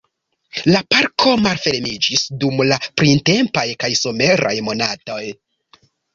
La parko malfermiĝis dum la printempaj kaj someraj monatoj.